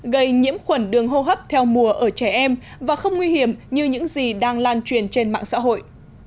gây nhiễm khuẩn đường hô hấp theo mùa ở trẻ em và không nguy hiểm như những gì đang lan truyền trên mạng xã hội